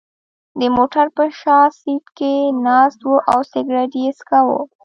د موټر په شا سېټ کې ناست و او سګرېټ یې څکاو.